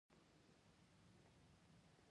په میلیونونو بېګناه انسانان.